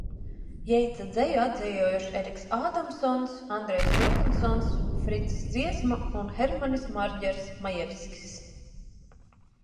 Jeitsa dzeju atdzejojuši Eriks Ādamsons, Andrejs Johansons, Fricis Dziesma un Hermanis Marģers Majevskis.